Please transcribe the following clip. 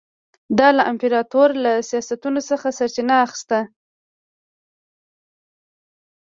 دا له امپراتور له سیاستونو څخه سرچینه اخیسته.